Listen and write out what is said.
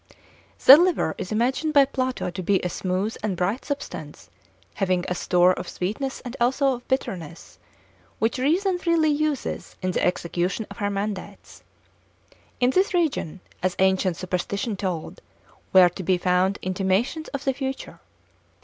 The liver is imagined by Plato to be a smooth and bright substance, having a store of sweetness and also of bitterness, which reason freely uses in the execution of her mandates. In this region, as ancient superstition told, were to be found intimations of the future.